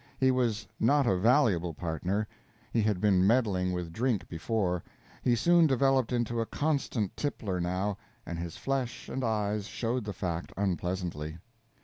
He was not a valuable partner: he had been meddling with drink before; he soon developed into a constant tippler now, and his flesh and eyes showed the fact unpleasantly.